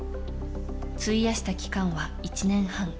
費やした期間は１年半。